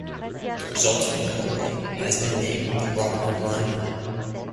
The resulting railway has been named the "Robin Hood Line".